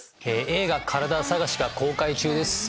映画『カラダ探し』が公開中です。